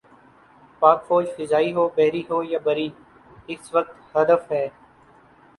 پاک فوج فضائی ہو، بحری ہو یا بری، اس وقت ہدف ہے۔